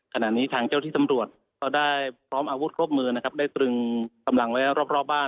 ขณะนี้ทางเจ้าที่สำรวจก็ได้พร้อมอาวุธครบมือนะครับได้ตรึงกำลังไว้รอบบ้าน